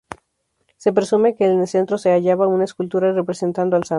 Se presume que en el centro se hallaba una escultura representando al santo.